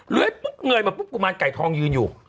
เรือยปุ๊บเงยปุ๊บมานในไอไทม์ธองยืนอยู่